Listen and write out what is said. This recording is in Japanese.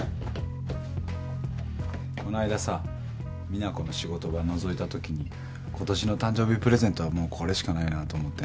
この間さ実那子の仕事場のぞいたときに今年の誕生日プレゼントはもうこれしかないなぁと思ってね。